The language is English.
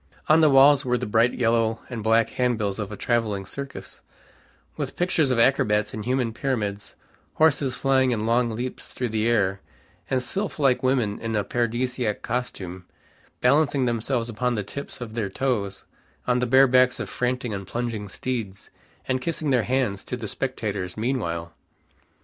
On the walls were the bright yellow and black handbills of a traveling circus, with pictures of acrobats in human pyramids, horses flying in long leaps through the air, and sylph like women in a paradisaic costume, balancing themselves upon the tips of their toes on the bare backs of frantic and plunging steeds, and kissing their hands to the spectators meanwhile.